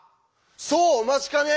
そうお待ちかね！